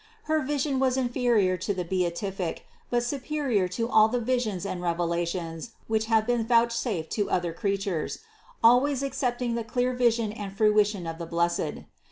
Her vision was inferior to the beatific, but superior to all the visions and revelations which have been vouchsafed to other creatures, always excepting1 the clear vision and fruition of the Blessed.